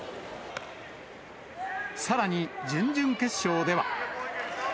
さらに、準々決勝では。